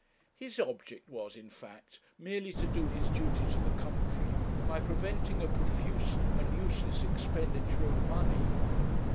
His object was, in fact, merely to do his duty to the country by preventing a profuse and useless expenditure of money.